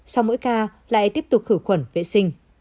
sau mỗi ca lại tiếp tục khử khuẩn vệ sinh